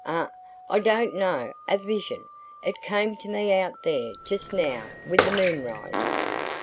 "A I don't know a vision.... It came to me out there just now with the moonrise."